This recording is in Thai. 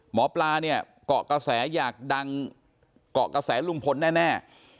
หมอปลาเนี่ยเกาะกระแสอยากดังเกาะกระแสลุงพลแน่